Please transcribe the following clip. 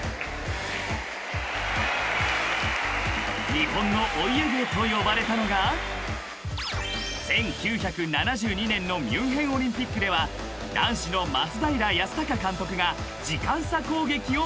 ［日本のお家芸と呼ばれたのが１９７２年のミュンヘンオリンピックでは男子の松平康隆監督が時間差攻撃を開発］